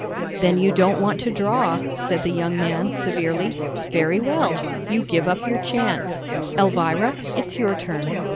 "Then you don't want to draw," said the young man, severely. "Very well, you give up your chance. Elvira, it's your turn."